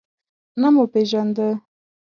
نه مو پیژانده.